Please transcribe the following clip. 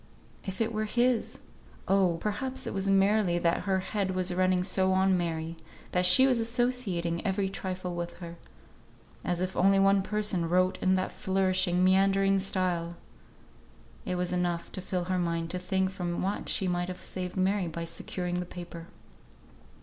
If it were his! Oh! perhaps it was merely that her head was running so on Mary, that she was associating every trifle with her. As if only one person wrote in that flourishing, meandering style! It was enough to fill her mind to think from what she might have saved Mary by securing the paper.